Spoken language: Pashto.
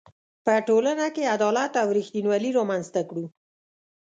په ټولنه کې عدالت او ریښتینولي رامنځ ته کړو.